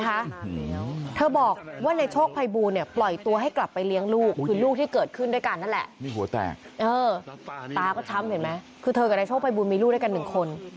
เห็นไหมคือเธอกับนายโชคภัยบูลมีลูกด้วยกัน๑คน